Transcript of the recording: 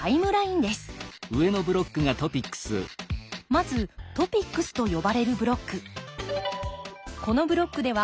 まずトピックスと呼ばれるブロック。